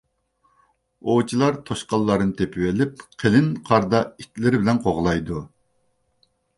ئوۋچىلار توشقانلارنى تېپىۋېلىپ قېلىن قاردا ئىتلىرى بىلەن قوغلايدۇ.